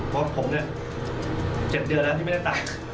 เพราะว่าผม๗เดือนแล้วที่ไม่ได้ตัด